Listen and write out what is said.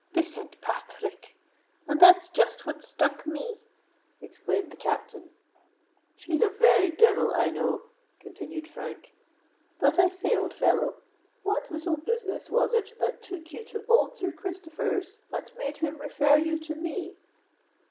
"Be Saint Path rick! and that's just what struck me!" exclaimed the Captain. "She's a very devil, I know," continued Frank. "But, I say, old fellow—what little business was it that took you to old Sir Christopher's, and made him refer you to me?"